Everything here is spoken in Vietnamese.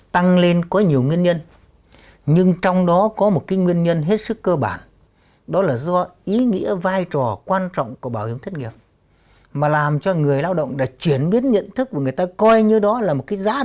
tăng lên có nhiều nguyên nhân nhưng trong đó có một cái nguyên nhân hết sức cơ bản đó là do ý nghĩa vai trò quan trọng của bảo hiểm thất nghiệp mà làm cho người lao động đã chuyển biến nhận thức của người ta coi như đó là một cái giá